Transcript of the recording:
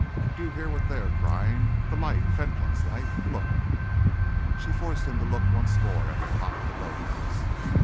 Do you hear what they are crying? 'The light! Fentolin's light!' Look!" She forced him to look once more at the top of the boat house.